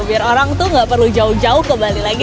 biar orang tuh gak perlu jauh jauh ke bali lagi